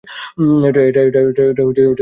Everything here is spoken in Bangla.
এটা তার থিওরি ছিল।